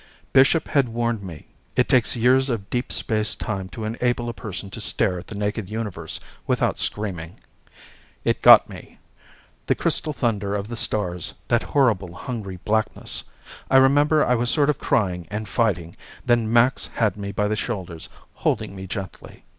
Bishop had warned me. It takes years of deep space time to enable a person to stare at the naked Universe without screaming. It got me. The crystal thunder of the stars, that horrible hungry blackness. I remember I was sort of crying and fighting, then Max had me by the shoulders, holding me gently.